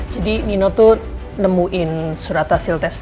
jadi nino tuh nemuin surat hasil testnya